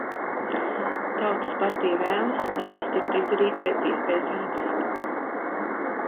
Tautas partija vēlas, lai tas tiktu izdarīts pēc iespējas ātrāk.